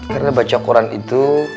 karena baca al quran itu